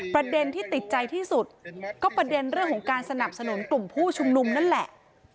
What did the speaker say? ประเด็นที่ติดใจที่สุดก็ประเด็นเรื่องของการสนับสนุนกลุ่มผู้ชุมนุมนั่นแหละ